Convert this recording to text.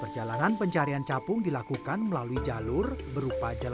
yang dua ribu lima belas yang terakhir itu ada